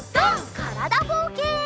からだぼうけん。